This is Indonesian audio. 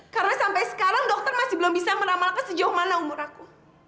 karena sampai sekarang dokter masih belum bisa meramalkan sejauh mana umur aku